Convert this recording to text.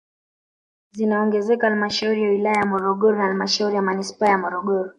Zinaongezeka halmashauri ya wilaya ya Morogoro na halmashauri ya manispaa ya Morogoro